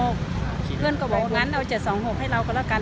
คุณก็บอกงั้นเอา๗๒๖ให้เราก็ล่ะกัน